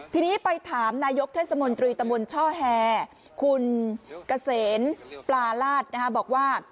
ทีนี้ไปถามนายกเทศมนตรีตะมนต์ช่อแฮคุณเกษมปลาลาดบอกว่า